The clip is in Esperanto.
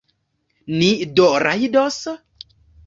Ni do rajdos?